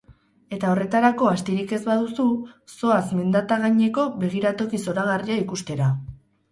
Eta horretarako astirik ez baduzu, zoaz Mendatagaineko begiratoki zoragarria ikustera.